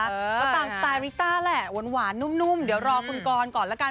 ก็ตามสไตลิต้าแหละหวานนุ่มเดี๋ยวรอคุณกรก่อนละกัน